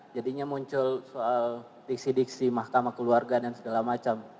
jadinya muncul soal diksi diksi mahkamah keluarga dan segala macam